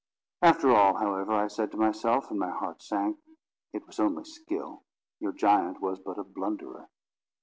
"After all, however," I said to myself, and my heart sank, "it was only skill. Your giant was but a blunderer."